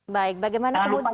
baik bagaimana kemudian